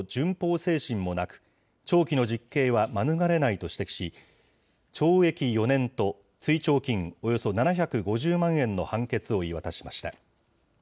精神もなく、長期の実刑は免れないと指摘し、懲役４年と追徴金およそ７５０万円の判決を言い渡しました。